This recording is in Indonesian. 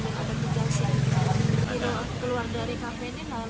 lagi lagi sampai sambil ada kejauhan